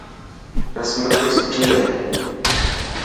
رسملا سٺي هي.